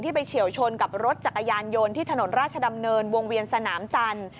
ไปเฉียวชนกับรถจักรยานยนต์ที่ถนนราชดำเนินวงเวียนสนามจันทร์